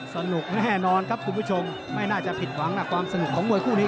สนุกแน่นอนครับคุณผู้ชมไม่น่าจะผิดหวังนะความสนุกของมวยคู่นี้